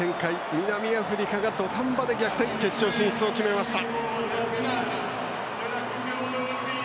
南アフリカが土壇場で逆転し決勝進出を決めました。